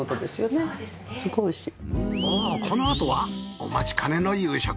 このあとはお待ちかねの夕食。